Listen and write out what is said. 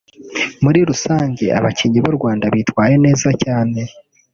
muri rusange abakinnyi b’u Rwanda bitwaye neza cyane